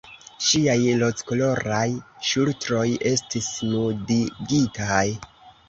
Ŝiaj rozkoloraj ŝultroj estis nudigitaj.